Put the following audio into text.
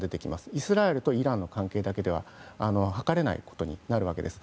イスラエルとイランの関係だけでははかれないことになるわけです。